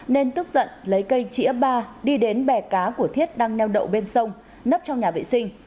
nên tức giận lấy cây chĩa ba đi đến bè cá của thiết đang neo đậu bên sông nấp trong nhà vệ sinh